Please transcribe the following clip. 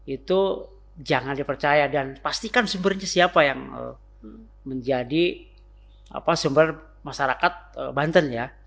itu jangan dipercaya dan pastikan sumbernya siapa yang menjadi sumber masyarakat banten ya